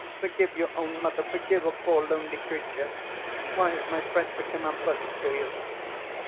Forgive your own mother—forgive a poor lonely creature! Why has my breath become unpleasant to you?"